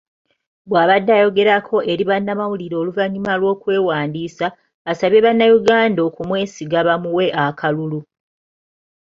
Bw'abadde ayogerako eri bannamawulire oluvannyuma lw'okwewandiisa, asabye bannayuganda okumwesiga bamuwe akalulu.